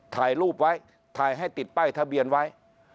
ถ่ายรูปไว้ถ่ายให้ติดป้ายทะเบียนไว้